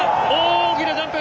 大きなジャンプ。